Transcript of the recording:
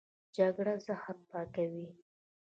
جګر زهر پاکوي.